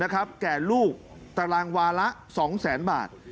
แก่ลูกตารางวาละ๒๐๐๐๐บาท